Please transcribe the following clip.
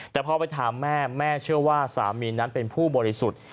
แต่พอไปถามแม่แม่เชื่อว่าสามีนั้นเป็นผู้บริสุทธิ์